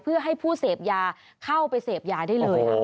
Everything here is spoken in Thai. เพื่อให้ผู้เสพยาเข้าไปเสพยาได้เลยค่ะ